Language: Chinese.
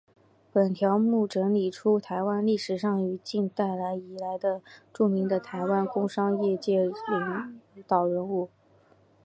本条目整理出台湾历史上与近代以来著名的台湾工商业界领导人物。